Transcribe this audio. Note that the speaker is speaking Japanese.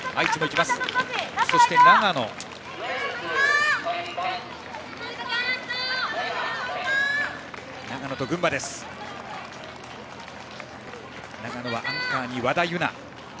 長野はアンカーに和田有菜。